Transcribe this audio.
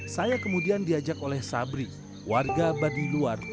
saya kemudian diajak oleh sabri warga baduy luar